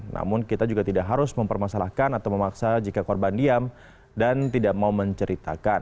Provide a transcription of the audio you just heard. namun kita juga tidak harus mempermasalahkan atau memaksa jika korban diam dan tidak mau menceritakan